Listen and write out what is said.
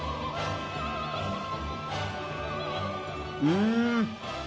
うん！